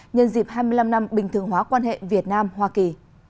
nhân dịp hai mươi năm năm bình thường hóa quan hệ việt nam hoa kỳ